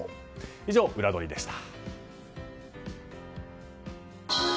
以上、ウラどりでした。